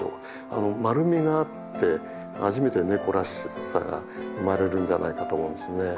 あの丸みがあって初めてネコらしさが生まれるんじゃないかと思うんですね。